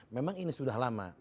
memang ini sudah lama